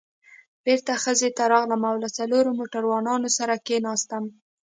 بېرته خزې ته راغلم او له څلورو موټروانانو سره کېناستم.